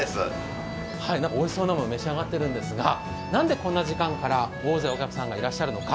おいしそうなもの召し上がってるんですがなんでこんな時間から大勢のお客さんがいらっしゃるのか。